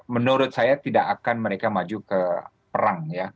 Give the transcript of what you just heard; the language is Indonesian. menurut saya tidak akan mereka maju ke perang ya